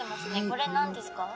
これ何ですか？